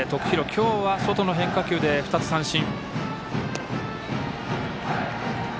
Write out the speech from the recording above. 今日は外の変化球で２つ三振。